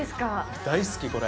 大好き、これ。